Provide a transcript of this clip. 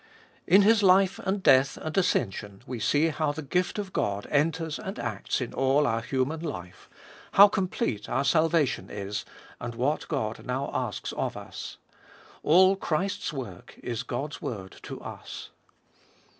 In His life and death and ascension we see how the gift of God enters and acts in all our human life, how complete our salvation is, and what God now asks of us. All Christ's work is God's word to us.